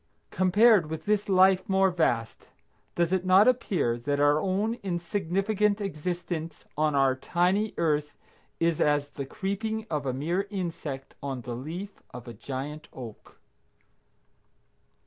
Compared with this life more vast, does it not appear that our own insignificant existence on our tiny Earth is as the creeping of a mere insect on the leaf of a giant oak?